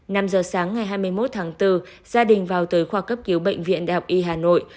năm giờ sáng ngày hai mươi một tháng bốn gia đình vào tới khoa cấp cứu bệnh viện đại học y hà nội